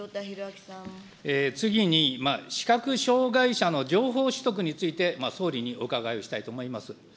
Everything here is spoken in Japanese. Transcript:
次に、視覚障害者の情報取得について、総理にお伺いをしたいと思います。